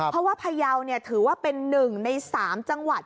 เพราะว่าพยาวเนี่ยถือว่าเป็นหนึ่งใน๓จังหวัด